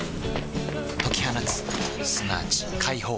解き放つすなわち解放